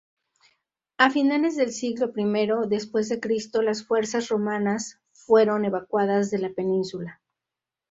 A finales del siglo primero dC, las fuerzas romanas fueron evacuadas de la península.